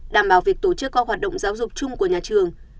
đảm bảo việc tổ chức các hoạt động giáo dục chung của nhà trường